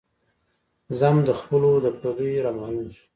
ذم د خپلو د پرديو را معلوم شو